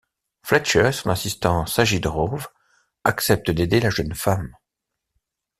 Fletcher et son assistant Sajid Rowe acceptent d'aider la jeune femme.